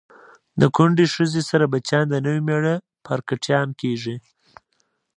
د کونډی خځی سره بچیان د نوي میړه پارکټیان کیږي